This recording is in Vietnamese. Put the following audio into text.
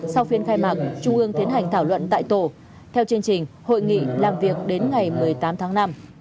sau phiên khai mạc trung ương tiến hành thảo luận tại tổ theo chương trình hội nghị làm việc đến ngày một mươi tám tháng năm